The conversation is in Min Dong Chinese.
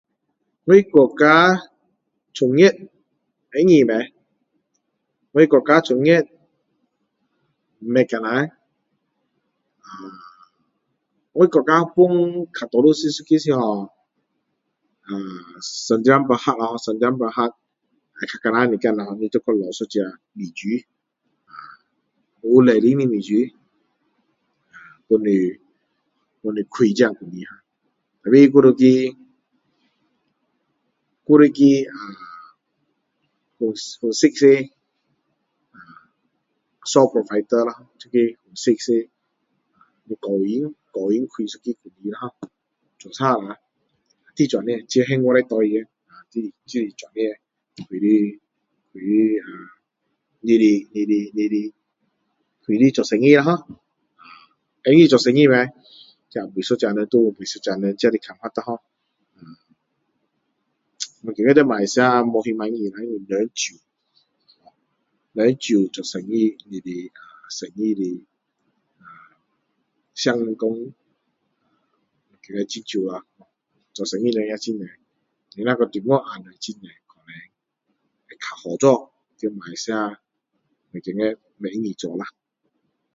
我国家专业会容易吗？我国家专业不困难我国家分多数一个它是叫呃sendirian Berhad咯sendirian berhad会比较困难一点你现在要找一个秘书有执照的秘书帮你帮你开这公司可是还有一个还有一个呃说实的solve provider这个实是个人个人开一个公司ho注册一下它这个钱还五十块钱啦就是这样你的你的你的开始做生意ho会容易做生意吗这每一个人每一个人自己的看法我觉得在马来西亚没有这么容易这么容易人少人少做生意他的生意的成功觉得很少做生意人也很多你如果说中国比较多会比较好做在马来西亚我觉得不容易做啦